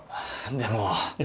でも。